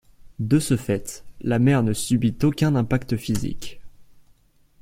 De ce fait, la mère ne subit aucun impact physique.